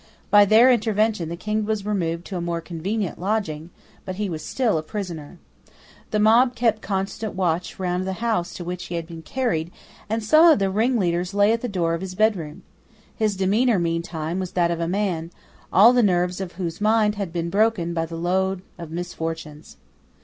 By their intervention the King was removed to a more convenient lodging: but he was still a prisoner. The mob kept constant watch round the house to which he had been carried; and some of the ringleaders lay at the door of his bedroom. His demeanour meantime was that of a man, all the nerves of whose mind had been broken by the load of misfortunes.